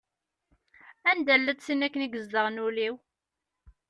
Anda-llatt tin akken i izedɣen ul-iw?